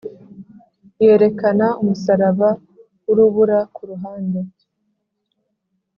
yerekana umusaraba wurubura kuruhande.